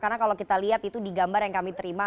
karena kalau kita lihat itu di gambar yang kami terima